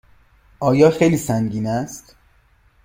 آیا خیلی سنگین است؟